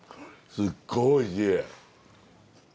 すっごいおいしい！